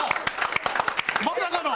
まさかの。